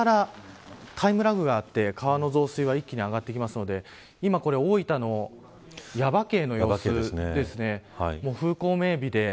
さらにここからタイムラグがあって川の増水は一気に上がってくるので今、大分の耶馬渓の様子ですね。